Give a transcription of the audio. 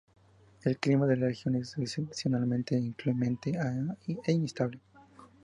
El clima en la región es excepcionalmente inclemente e inestable.